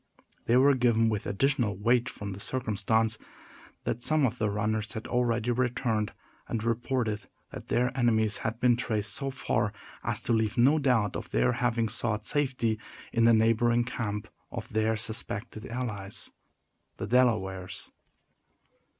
They were given with additional weight from the circumstance that some of the runners had already returned, and reported that their enemies had been traced so far as to leave no doubt of their having sought safety in the neighboring camp of their suspected allies, the Delawares.